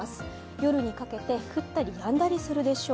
夜にかけて降ったりやんだりするでしょう。